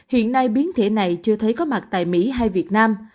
hiện nay biến thể này chưa thấy có mặt tại mỹ hay việt nam